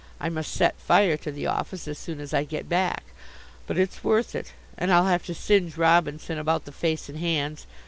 I must set fire to the office as soon as I get back. But it's worth it. And I'll have to singe Robinson about the face and hands.